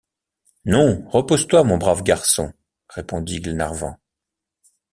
Non, repose-toi, mon brave garçon, répondit Glenarvan.